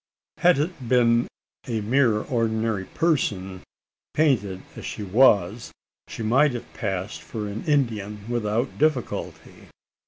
Had it been a mere ordinary person painted as she was she might have passed for an Indian without difficulty.